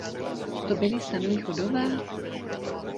To byli samí Chodové?